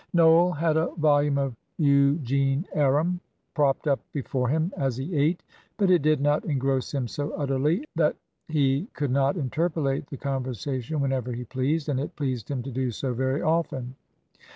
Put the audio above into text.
Noel had a volume of "Eugene Aram" propped up before him as he ate, but it did not engross him so utterly that he could not interpolate the conversation whenever he pleased, and it pleased him to do so very often.